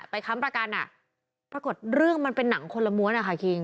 ค้ำประกันอ่ะปรากฏเรื่องมันเป็นหนังคนละม้วนนะคะคิง